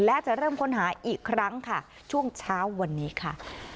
และจะเริ่มค้นหาอีกครั้งค่ะช่วงเช้าวันนี้ค่ะ